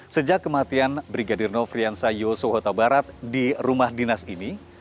sejak kematian brigadir nofriansa yoso hota barat di rumah dinas ini